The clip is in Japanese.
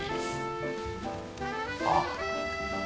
あっ。